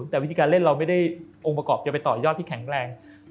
แต่วิธีการเล่นเราไม่ได้องค์ประกอบจะไปต่อยอดที่แข็งแรง